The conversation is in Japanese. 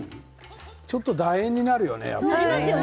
ちょっと、だ円になるよね。